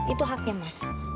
itu haknya mas